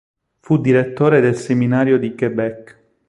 Fu direttore del seminario di Québec.